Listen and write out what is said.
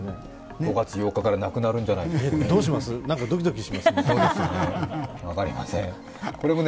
５月８日からなくなるんじゃないですかね。